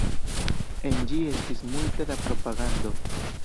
En ĝi estis multe da propagando.